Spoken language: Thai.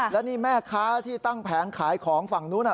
แล้วนี่แม่ค้าที่ตั้งแผงขายของฝั่งนู้น